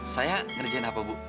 saya ngerjain apa bu